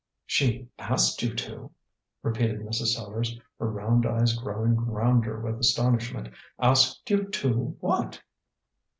"She asked you to?" repeated Mrs. Sellars, her round eyes growing rounder with astonishment. "Asked you to what?"